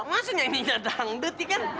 masa nyanyinya dangdut ya kan